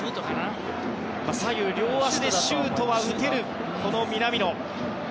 左右両足でシュートは打てる南野。